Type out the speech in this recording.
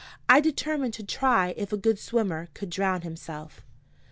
I determined to try if a good swimmer could drown himself.